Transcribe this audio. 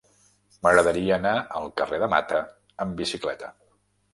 M'agradaria anar al carrer de Mata amb bicicleta.